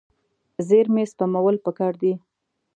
زیرمې سپمول پکار دي.